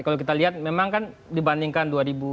kalau kita lihat memang kan dibandingkan